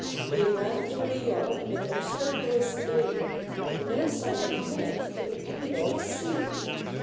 They ran through the yard with obstreperous glee, But no sign of life could the Puppy Dogs see.